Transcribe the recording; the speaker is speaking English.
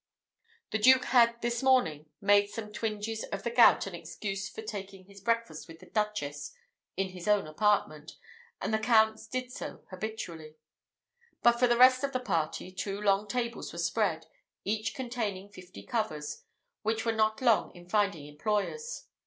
The duke had this morning made some twinges of the gout an excuse for taking his breakfast with the Duchess in his own apartment, and the Count did so habitually; but for the rest of the party, two long tables were spread, each containing fifty covers, which were not long in finding employers.